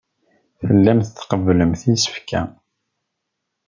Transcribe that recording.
Tellamt tqebblemt isefka.